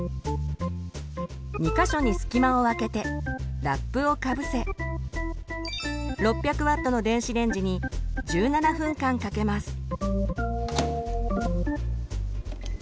２か所に隙間をあけてラップをかぶせ６００Ｗの電子レンジに１７分間かけます。